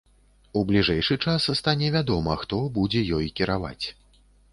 У бліжэйшы час стане вядома, хто будзе ёй кіраваць.